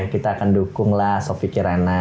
kita akan dukung lah sofi kirana